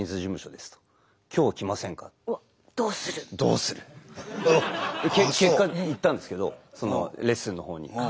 で結果行ったんですけどそのレッスンのほうに。